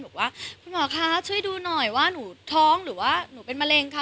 บอกว่าคุณหมอคะช่วยดูหน่อยว่าหนูท้องหรือว่าหนูเป็นมะเร็งค่ะ